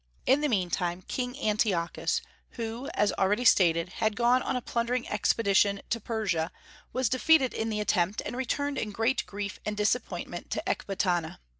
In the meantime King Antiochus, who, as already stated, had gone on a plundering expedition to Persia, was defeated in the attempt, and returned in great grief and disappointment to Ecbatana.